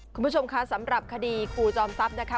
คุณผู้ชมคะสำหรับคดีครูจอมทรัพย์นะคะ